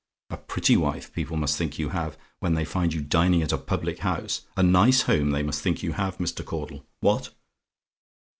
A pretty wife people must think you have, when they find you dining at a public house. A nice home they must think you have, Mr. Caudle! What?